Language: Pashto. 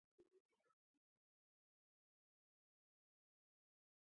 رستورانتونه او هوټلونه د ښار عواید زیاتوي.